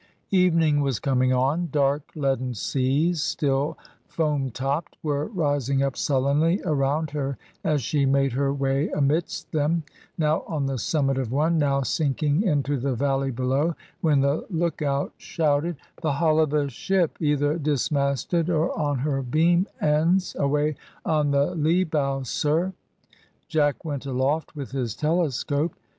Evening was coming on; dark, leaden seas, still foam topped, were rising up sullenly around her as she made her way amidst them, now on the summit of one, now sinking into the valley below, when the lookout shouted "The hull of a ship, either dismasted or on her beam ends away on the lee bow, sir." Jack went aloft with his telescope.